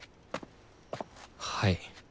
はい。